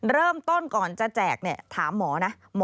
เริ่มต้นก่อนจะแจกถามหมอนะ